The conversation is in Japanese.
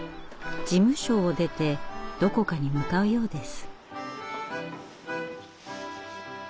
事務所を出てどこかに向かうようです。